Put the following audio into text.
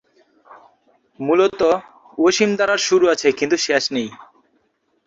মূলত, অসীম ধারার শুরু আছে, কিন্তু শেষ নেই।